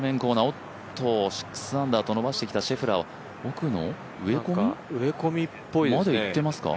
おっと、６アンダーと伸ばしてきたシェフラー奥の植え込みまでいってますか？